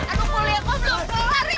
aku kuliah kok belum kelarin